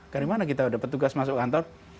karena mana kita dapat tugas masuk kantor